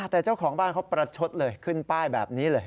แต่เจ้าของบ้านเขาประชดเลยขึ้นป้ายแบบนี้เลย